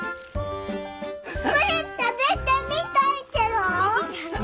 これ食べてみたいけど！